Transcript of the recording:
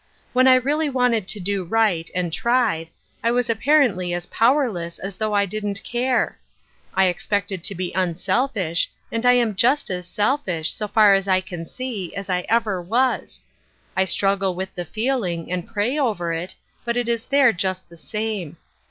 When I really wanted to do right, and tried, I was apparently as pow erless as though I didn't care. I expected to be unselfish, and I am just as selfish, so far as I can see, as I ever was. I struggle with the feeling, and pray over it, but it is there just the same.